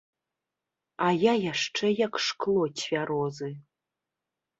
А я яшчэ як шкло цвярозы.